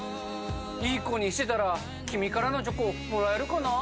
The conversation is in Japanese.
いい子にしてたらキミからのチョコもらえるかなぁ。